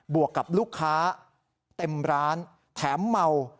วกกับลูกค้าเต็มร้านแถมเมา